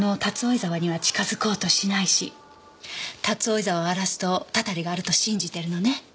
沢には近づこうとしないし竜追沢を荒らすとたたりがあると信じてるのね。